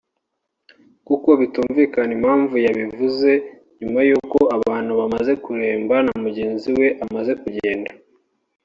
kuko bitumvikana impamvu yabivuze nyuma y’uko abantu bamaze kuremba na mugenzi we amaze kugenda